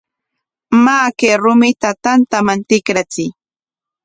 Maa, kay rumita tantaman tikrachiy.